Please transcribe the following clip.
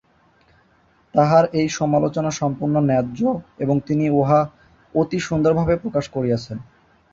তাঁহার এই সমালোচনা সম্পূর্ণ ন্যায্য এবং তিনি উহা অতি সুন্দরভাবে প্রকাশ করিয়াছেন।